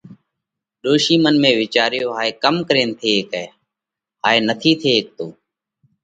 ڏوشِي منَ ۾ وِيچاريو، هائي ڪم ڪرينَ ٿي هيڪئه؟ هائي نٿِي ٿي هيڪتو۔